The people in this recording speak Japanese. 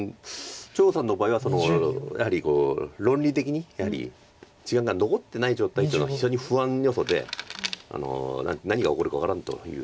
張栩さんの場合はやはり論理的に時間が残ってない状態っていうのが非常に不安要素で何が起こるか分からんという。